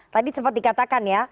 tadi sempat dikatakan ya